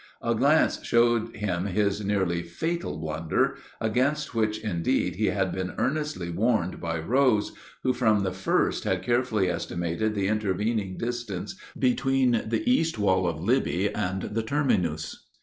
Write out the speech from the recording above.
A glance showed him his nearly fatal blunder, against which, indeed, he had been earnestly warned by Rose, who from the first had carefully estimated the intervening distance between the east wall of Libby and the terminus.